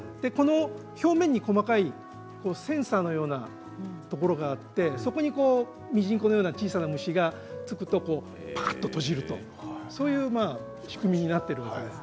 表面に細かいセンサーのようなところがあってそこにミジンコのような小さな虫が付くとぱくっと閉じるとそういう仕組みになっています。